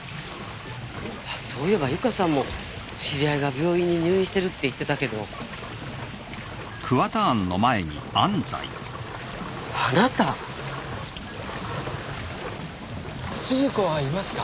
あっそういえば由香さんも知り合いが病院に入院してるって言ってたけどあなた⁉鈴子はいますか？